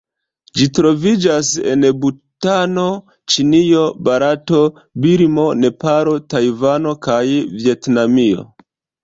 Ĝi troviĝas en Butano, Ĉinio, Barato, Birmo, Nepalo, Tajvano kaj Vjetnamio.